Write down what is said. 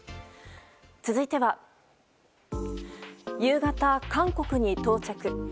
続いては夕方、韓国に到着。